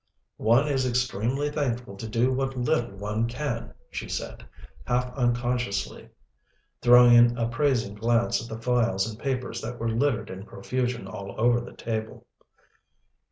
"One is extremely thankful to do what little one can," she said, half unconsciously throwing an appraising glance at the files and papers that were littered in profusion all over the table.